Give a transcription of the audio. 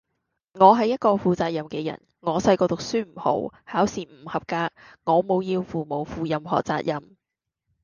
我系一個負責任嘅人，我細個讀書唔好，考試唔合格，我冇要父母負任何責任